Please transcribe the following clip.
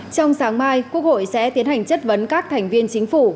trong sáng mai quốc hội sẽ tiến hành chất vấn các thành viên chính phủ